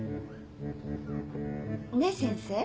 ねぇ先生